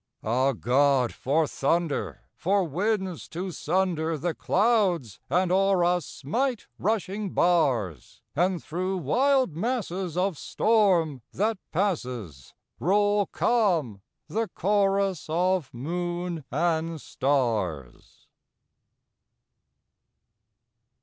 Ah, God! for thunder! for winds to sunder The clouds and o'er us smite rushing bars! And through wild masses of storm, that passes, Roll calm the chorus of moon and stars.